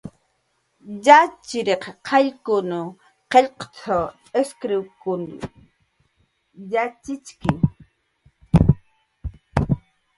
Yatxchiriq qayllkun qillqt'a, iskriwt'kun yatxichki